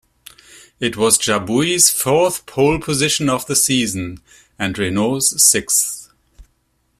It was Jabouille's fourth pole position of the season, and Renault's sixth.